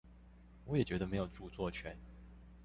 我也覺得沒有著作權